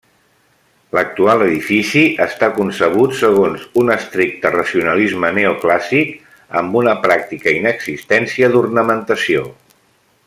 L'actual edifici està concebut segons un estricte racionalisme neoclàssic, amb una pràctica inexistència d'ornamentació.